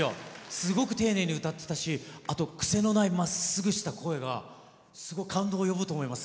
すごく丁寧に歌ってたし癖のないまっすぐとした声がすごく感動を呼ぶと思います